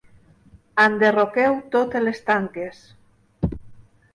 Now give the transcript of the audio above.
Enderroqueu totes les tanques.